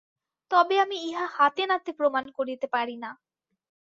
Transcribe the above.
তবে আমি ইহা হাতে-নাতে প্রমাণ করিতে পারি না।